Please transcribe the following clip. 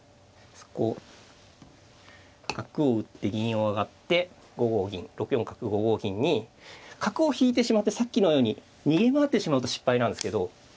こう角を打って銀を上がって５五銀６四角５五銀に角を引いてしまってさっきのように逃げ回ってしまうと失敗なんですけど。